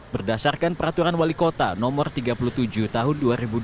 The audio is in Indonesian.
berdasarkan peraturan wali kota no tiga puluh tujuh tahun dua ribu dua puluh